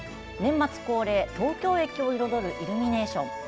年末恒例、東京駅を彩るイルミネーション。